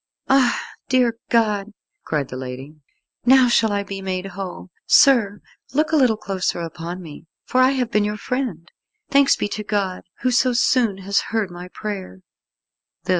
"Ah, dear God," cried the lady, "now shall I be made whole. Sir, look a little closer upon me, for I have been your friend. Thanks be to God, who so soon has heard my prayer."